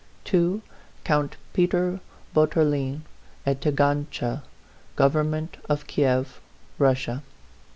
TO COUNT PETEK BOUTOUKLINE, AT TAGANTCHA, GOVERNMENT OF KIEW, RUSSIA.